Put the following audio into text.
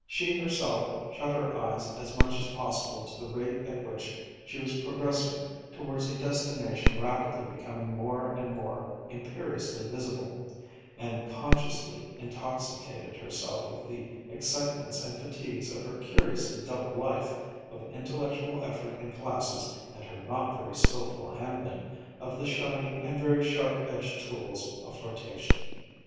She herself shut her eyes as much as possible to the rate at which she was progressing towards a destination rapidly becoming more and more imperiously visible; and consciously intoxicated herself with the excitements and fatigues of her curiously double life of intellectual effort in classes and her not very skilful handling of the shining and very sharp edged tools of flirtation.